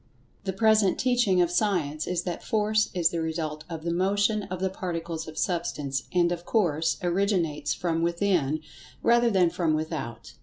The present teaching of Science is that Force is the result of the motion of the Particles of Substance, and, of course, originates from within, rather than from without.